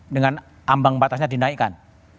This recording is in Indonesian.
dengan ambang batasnya dinaikkan